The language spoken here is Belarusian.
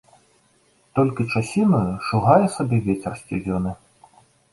Толькі часінаю шугае сабе вецер сцюдзёны.